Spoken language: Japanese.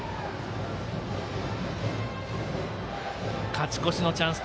勝ち越しのチャンス